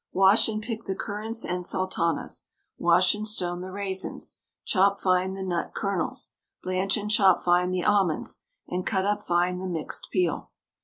Wash and pick the currants and sultanas; wash and stone the raisins; chop fine the nut kernels, blanch and chop fine the almonds, and cut up fine the mixed peel.